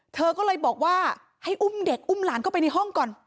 เธอก็เลยบอกว่าให้อุ้มเด็กอุ้มหลานเข้าไปในห้องก่อน